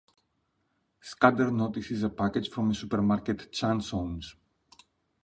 Scudder notices a package from a supermarket Chance owns.